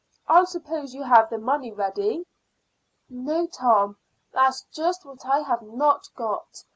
I suppose you have the money ready?" "No, Tom, that's just what I have not got.